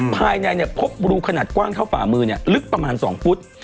ภายในพบรูขนาดกว้างเท่าฝ่ามือลึกประมาณ๒ฟุต